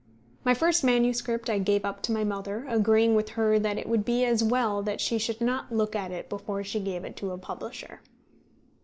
My first manuscript I gave up to my mother, agreeing with her that it would be as well that she should not look at it before she gave it to a publisher.